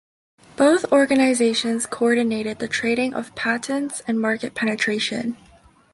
Both organisations co-ordinated the trading of patents and market penetration.